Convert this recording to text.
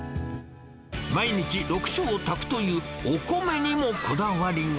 毎日６升炊くというお米にもこだわりが。